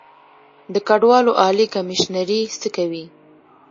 د کډوالو عالي کمیشنري څه کوي؟